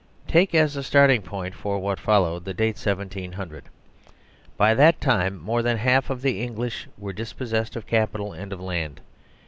Take, as a starting point for what followed, the date 1 700. By that time more than halfof the English were dispossessed of capital and of land.